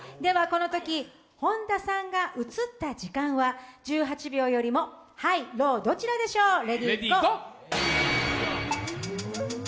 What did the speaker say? このとき、本田さんが映った時間は１８秒よりもハイ、ローどちらでしょうか。